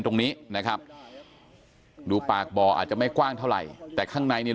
ตรงนี้นะครับดูปากบ่ออาจจะไม่กว้างเท่าไหร่แต่ข้างในเนี่ย